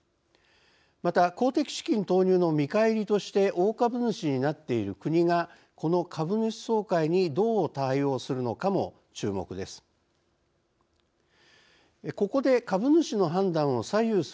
また、公的資金投入の見返りとして大株主になっている国がこの株主総会にどう対応するのかも注目です。